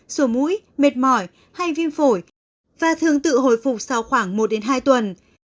sổ mũi mệt mỏi hay viêm phổi và thường tự hồi phục sau khoảng một đến hai tuần